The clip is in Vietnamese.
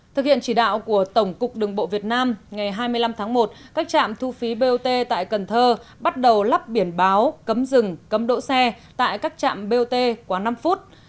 thực hiện chỉ đạo của tổng cục đường bộ việt nam ngày hai mươi năm tháng một các trạm thu phí bot tại cần thơ bắt đầu lắp biển báo cấm dừng cấm đỗ xe tại các trạm bot quá năm phút